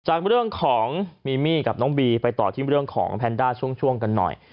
จากเรื่องของมีมี่กับน้องบีไปต่อที่เรื่องของแพนด้าช่วงกันหน่อย